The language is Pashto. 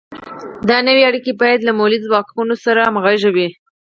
دا نوې اړیکې باید له مؤلده ځواکونو سره همغږې وي.